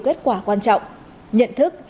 kết quả quan trọng nhận thức